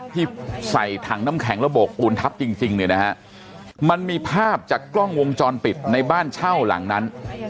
ที่ใส่ถังน้ำแข็งระโบกปูนทับจริงเนี่ยนะฮะมันมีภาพจากกล้องวงจรปิดในบ้านเช่าหลังนั้น